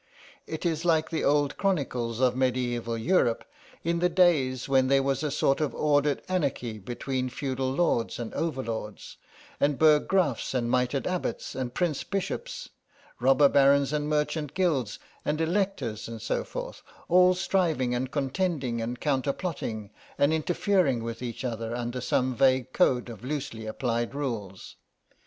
It is like the old chronicles of medieval Europe in the days when there was a sort of ordered anarchy between feudal lords and overlords, and burg grafs, and mitred abbots, and prince bishops, robber barons and merchant guilds, and Electors and so forth, all striving and contending and counter plotting, and interfering with each other under some vague code of loosely applied rules.